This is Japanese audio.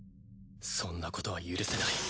そんなことは許せない。